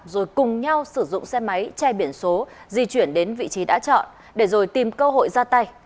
rồi cùng nhau sử dụng xe máy che biển số di chuyển đến vị trí đã chọn để rồi tìm cơ hội ra tay